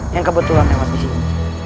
yang kebetulan lewat di sini